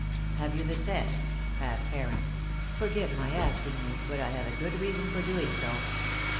"Have you the set?" asked Heron. "Forgive my asking you, but I have a good reason for doing so."